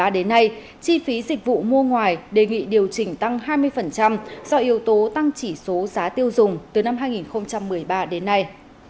đến nay chi phí dịch vụ mua ngoài đề nghị điều chỉnh tăng hai mươi do yếu tố tăng chỉ số giá tiêu dùng từ năm hai nghìn một mươi ba đến nay